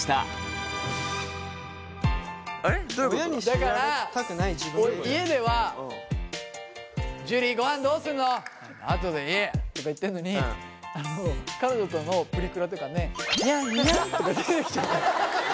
だから家では「樹ごはんどうするの？」「後でいい！」とか言ってんのに彼女とのプリクラとかねにゃんにゃんとか出てきちゃったら。